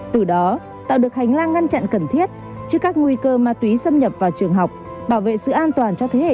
từ đó tạo được hành lang ngăn chặn cần thiết trước các nguy cơ ma túy xâm nhập vào trường học bảo vệ sự an toàn cho thế hệ